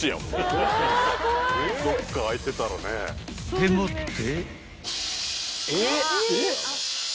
［でもって］